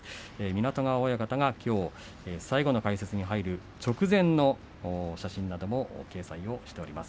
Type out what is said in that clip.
湊川親方がきょう最後の解説に入る直前の写真なども掲載しています。